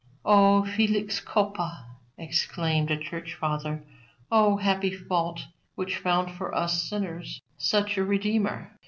"O felix culpa!" exclaimed a church father; "O happy fault, which found for us sinners such a Redeemer."